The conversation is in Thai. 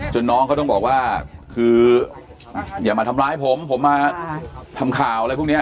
น้องเขาต้องบอกว่าคืออย่ามาทำร้ายผมผมมาทำข่าวอะไรพวกนี้